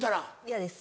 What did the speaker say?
嫌です。